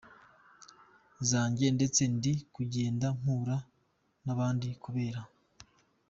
Zanjye ndetse ndi kugenda mpura n’abantu kubera.